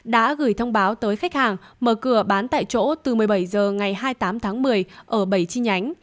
đã gửi thông báo tới khách hàng mở cửa bán tại chỗ từ một mươi bảy h ngày hai mươi tám tháng một mươi ở bảy chi nhánh